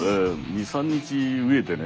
２３日飢えてね。